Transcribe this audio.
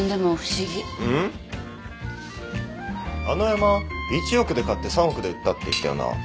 あの山１億で買って３億で売ったって言ったよな？